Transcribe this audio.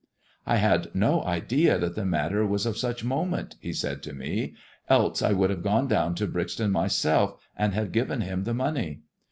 " I had no idea that the matter was of such moment," he said to me, " else I would have gone down to Brixton my self and have given him the money.